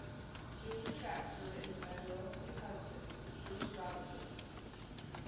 Two of the tracks were written by Willis's husband Bruce Robison.